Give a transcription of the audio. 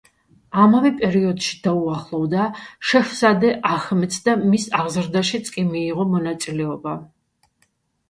ამავე პერიოდში დაუახლოვდა შეჰზადე აჰმედს და მის აღზრდაშიც კი მიიღო მონაწილეობა.